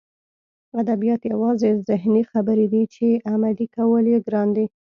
ادبیات یوازې ذهني خبرې دي چې عملي کول یې ګران دي